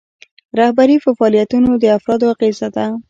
رهبري په فعالیتونو د افرادو اغیزه ده.